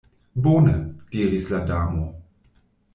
"Bone," diris la Damo.